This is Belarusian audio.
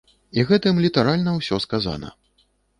І гэтым літаральна ўсё сказана.